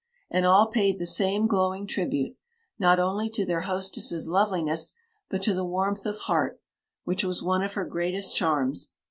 And all paid the same glowing tribute, not only to their hostess's loveliness but to the warmth of heart, which was one of her greatest charms.